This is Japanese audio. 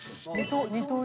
二刀流？